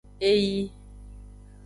Eyi.